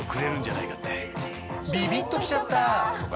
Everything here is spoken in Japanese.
ビビッときちゃった！とか